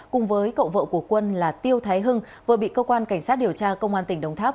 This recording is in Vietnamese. cùng với cậu vợ của quân là tiêu thái hưng vừa bị cơ quan cảnh sát điều tra công an tỉnh đồng tháp